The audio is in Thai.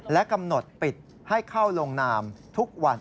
และกำหนดปิดให้เข้าลงนามทุกวัน